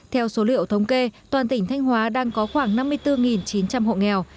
theo số liệu thống kê toàn tỉnh thanh hóa đang có khoảng năm mươi bốn chín trăm linh hộ nghèo